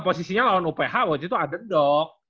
posisinya lawan uph waktu itu underdog